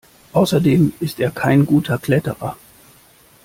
Außerdem ist er kein guter Kletterer.